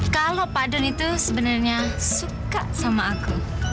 kalau pak don itu sebenarnya suka sama aku